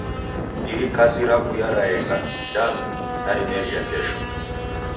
Iri kazi rawuya raenga danu narimeria kesho.